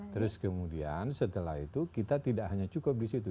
terus kemudian setelah itu kita tidak hanya cukup di situ